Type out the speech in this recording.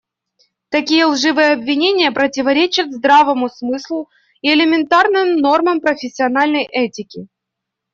Такие лживые обвинения противоречат здравому смыслу и элементарным нормам профессиональной этики.